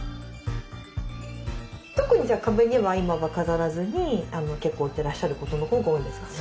特に壁には今は飾らずに置いてらっしゃることのほうが多いんですかね？